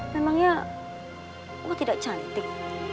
memangnya wo tidak cantik